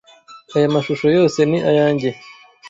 Aya mashusho yose ni ayanjye.